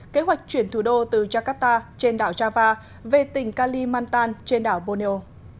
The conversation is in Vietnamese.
kế hoạch chuyển thủ đô từ jakarta trên đảo java về tỉnh kalimantan trên đảo borneo